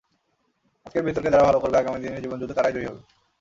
আজকের বিতর্কে যারা ভালো করবে, আগামী দিনের জীবনযুদ্ধে তারাই জয়ী হবে।